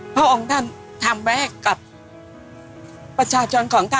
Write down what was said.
แต่ตอนเด็กก็รู้ว่าคนนี้คือพระเจ้าอยู่บัวของเรา